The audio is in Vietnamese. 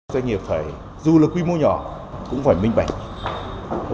doanh nghiệp phải dù là quy mô nhỏ cũng phải minh bản